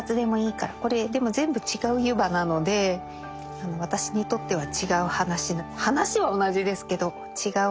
これでも全部違う「湯葉」なので私にとっては違う話。